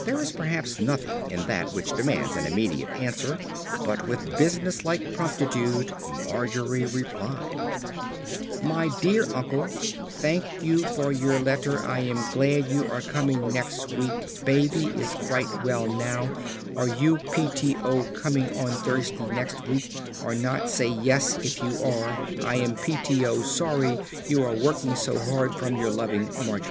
There is perhaps nothing in that which demands an immediate answer, but with businesslike promptitude Margery replied: "MY DEAR UNCLE thank you for your letter I am glad you are coming next week baby is quite well now are you p t o coming on Thursday next week or not say yes if you are I am p t o sorry you are working so hard from your loving MARGIE."